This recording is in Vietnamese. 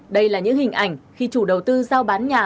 đây là những hình ảnh khi chủ đầu tư giao bán nhà